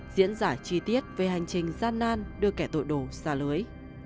diễn giải chi tiết về hành trình gian nan đưa kẻ tội đồ xa lưới